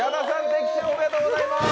的中おめでとうございます！